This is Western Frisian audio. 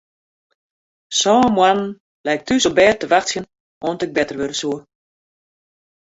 Sân moannen lei ik thús op bêd te wachtsjen oant ik better wurde soe.